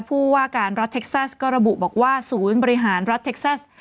ผู้ว่าการรัฐเท็กซัสก็ระบุบอกว่าศูนย์บริหารรัฐเท็กซัส